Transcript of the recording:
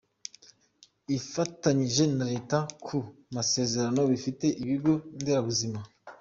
ifatanyije na Leta ku masezerano. Bifite ibigo Nderabuzima